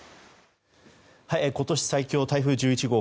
今年最強台風１１号。